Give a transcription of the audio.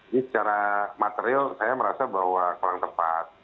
jadi secara material saya merasa bahwa kurang tepat